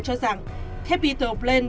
cho rằng capital plan